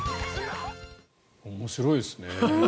面白いですね。